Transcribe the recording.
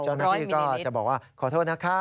เจ้าหน้าที่ก็จะบอกว่าขอโทษนะคะ